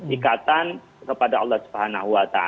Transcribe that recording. ikatan kepada allah swt